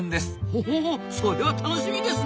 ほほうそれは楽しみですな！